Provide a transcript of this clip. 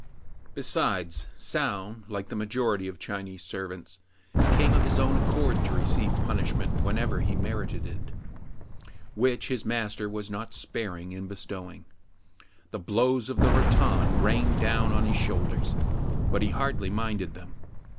Besides, Soun, like the majority of Chinese ser vants, came of his own accord to receive punish ment whenever he merited it, which his master was not sparing in bestowing. The blows of the rattan rained down on his shoulders, but he hardly minded them.